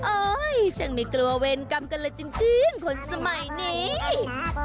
เอ้ยฉันไม่กลัวเวรกรรมกันเลยจริงคนสมัยนี้